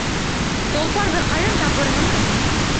Толпарҙы ҡайҙан табырһың?